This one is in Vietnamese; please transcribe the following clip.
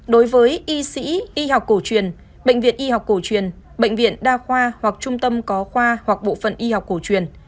đối với y sĩ y học cổ truyền bệnh viện y học cổ truyền bệnh viện đa khoa hoặc trung tâm có khoa hoặc bộ phận y học cổ truyền